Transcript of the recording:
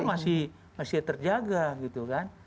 jadi lahan kita masih terjaga gitu kan